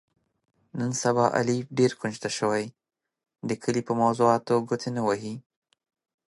نن سبا علي ډېر کونج ته شوی، د کلي په موضاتو ګوتې نه وهي.